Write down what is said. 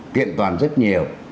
kiện toàn rất nhiều